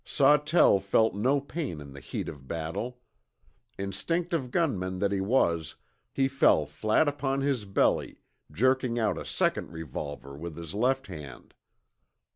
Sawtell felt no pain in the heat of battle. Instinctive gunman that he was, he fell flat upon his belly, jerking out a second revolver with his left hand.